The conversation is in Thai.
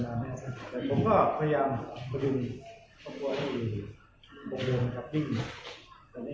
ถ้าสิทธิ์ผ่านถามต้องทิ้งดูเขาดีตลอด